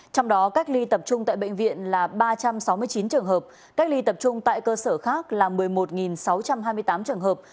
trong đó cách ly tập trung tại bệnh viện là ba trăm sáu mươi chín trường hợp cách ly tập trung tại cơ sở khác là một mươi một sáu trăm hai mươi tám trường hợp